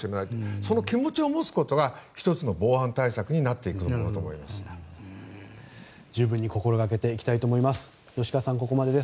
その気持ちを持つことが１つの防犯対策になってくると思います。